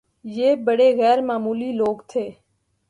یہ بڑے غیرمعمولی لوگ تھے